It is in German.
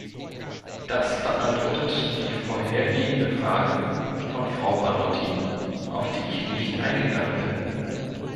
Das beantwortet die vorhergehende Frage von Frau Banotti, auf die ich nicht eingegangen bin.